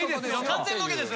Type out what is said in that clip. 完全ロケです。